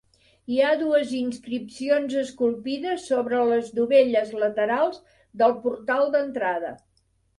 Hi ha dues inscripcions esculpides sobre les dovelles laterals del portal d'entrada.